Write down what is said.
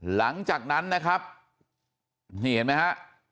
หลังจากนั้นนะครับนี่เห็นไหมฮะ